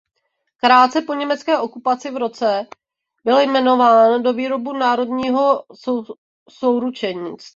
Krátce po německé okupaci v roce byl jmenován do výboru Národního souručenství.